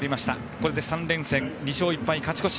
これで３連戦、２勝１敗勝ち越し。